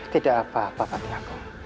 tidak apa apa fatiha